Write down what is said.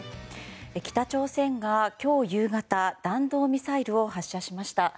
北朝鮮が今日夕方弾道ミサイルを発射しました。